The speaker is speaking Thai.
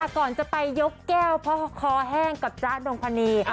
แต่ก่อนไปยกแก้วพ่อคอแห้งกับเจ้าน้องพระนี